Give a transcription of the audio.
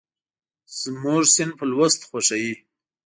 زموږ صنف لوست خوښوي.